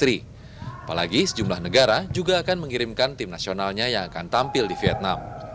apalagi sejumlah negara juga akan mengirimkan tim nasionalnya yang akan tampil di vietnam